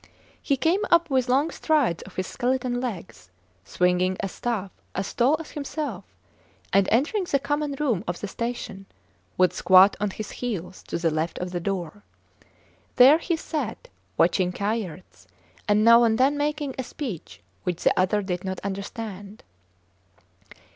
He came up with long strides of his skeleton legs, swinging a staff as tall as himself, and, entering the common room of the station, would squat on his heels to the left of the door. There he sat, watching Kayerts, and now and then making a speech which the other did not understand.